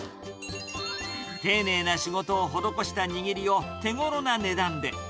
丁寧な仕事を施した握りを手ごろな値段で。